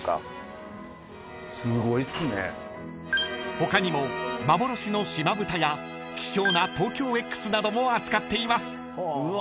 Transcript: ［他にも幻の島豚や希少なＴＯＫＹＯＸなども扱っています］